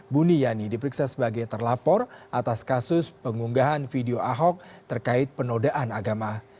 buni yani diperiksa sebagai terlapor atas kasus pengunggahan video ahok terkait penodaan agama